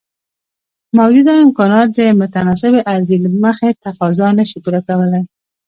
موجوده امکانات د متناسبې عرضې له مخې تقاضا نشي پوره کولای.